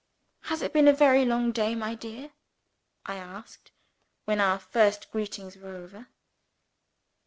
"Has it been a very long day, my dear?" I asked, when our first greetings were over.